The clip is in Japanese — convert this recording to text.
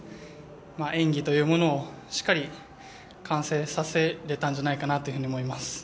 演技というものをしっかり完成させられたんじゃないかなと思います。